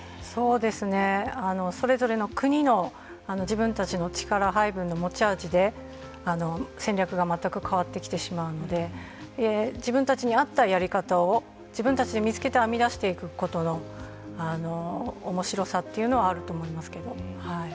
そうですねそれぞれの国の自分たちの力配分の持ち味で戦略が全く変わってきてしまうので自分たちにあったやり方を自分たちで見つけて編み出していくことのおもしろさというのはあると思いますけど。